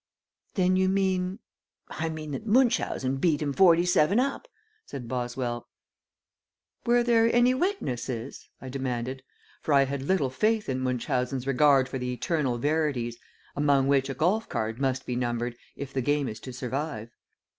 "Then you mean " "I mean that Munchausen beat him forty seven up," said Boswell. "Were there any witnesses?" I demanded, for I had little faith in Munchausen's regard for the eternal verities, among which a golf card must be numbered if the game is to survive.